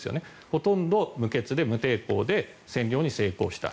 ほとんど無血で無抵抗で占領に成功した。